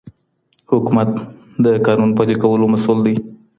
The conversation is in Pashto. حکومت د قانون پلي کولو مسوول دی